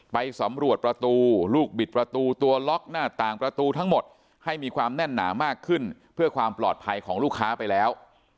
ไปสำรวจประตูลูกบิดประตูตัวล็อกหน้าต่างประตูทั้งหมดให้มีความแน่นหนามากขึ้นเพื่อความปลอดภัยของลูกค้าไปแล้ว